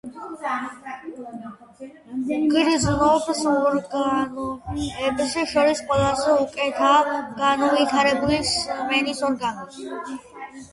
გრძნობის ორგანოებს შორის ყველაზე უკეთაა განვითარებული სმენის ორგანო.